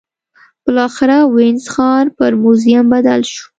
بالاخره وینز ښار پر موزیم بدل شو.